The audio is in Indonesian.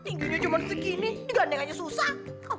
tingginya cuma segini gandengannya susah